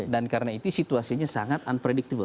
dan karena itu situasinya sangat unpredictable